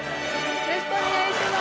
よろしくお願いします。